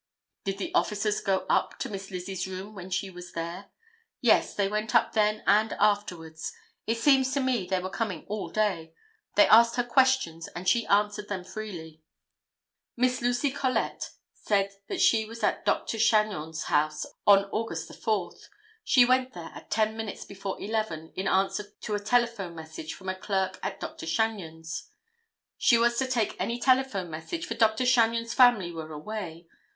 "Did the officers go up to Miss Lizzie's room when she was there?" "Yes; they went up then and afterwards. It seems to me they were coming all day. They asked her questions and she answered them freely." [Illustration: POLICE MATRON REAGAN.] Miss Lucy Collette said that she was at Dr. Chagnon's house on August 4. She went there at ten minutes before 11 in answer to a telephone message from a clerk at Dr. Chagnon's. She was to take any telephone message, for Dr. Chagnon's family were away.